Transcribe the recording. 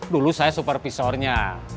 dulu saya supervisornya